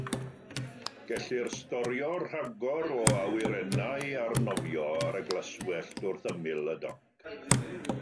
Gellir storio rhagor o awyrennau arnofio ar y glaswellt wrth ymyl y doc.